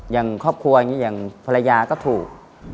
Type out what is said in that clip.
อย่างครอบครัวอย่างนี้อย่างภรรยาก็ถูก